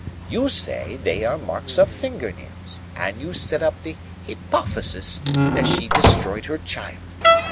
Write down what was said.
You say they are marks of finger nails, and you set up the hypothesis that she destroyed her child.